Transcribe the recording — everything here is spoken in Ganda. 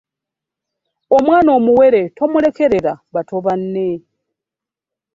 Omwana omuwere tomulekerera bato banne.